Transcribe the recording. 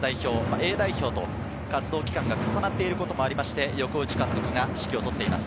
Ａ代表と活動期間が重なっていることもありまして、横内監督が指揮を執っています。